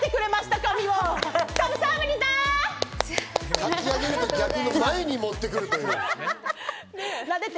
かきあげるの逆で、前に持ってくるという。